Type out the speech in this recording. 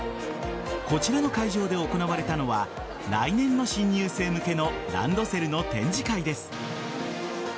こちらの会場で行われたのは来年の新入生向けのランドセルの展示会です。